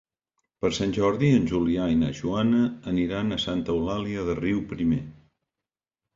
Per Sant Jordi en Julià i na Joana aniran a Santa Eulàlia de Riuprimer.